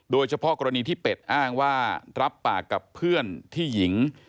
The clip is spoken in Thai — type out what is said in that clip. โดยเฉพาะกรณีที่เป็ดอ้างว่ารับปากกับเพื่อนที่หญิง